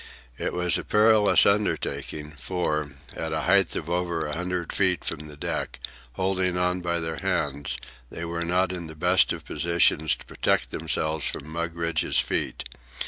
It was a perilous undertaking, for, at a height of over a hundred feet from the deck, holding on by their hands, they were not in the best of positions to protect themselves from Mugridge's feet.